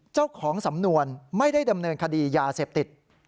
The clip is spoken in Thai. เจ้าของสำนวนไม่ได้ดำเนินคดียาเสพติด